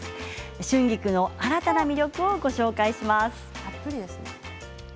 春菊の新たな魅力をご紹介します。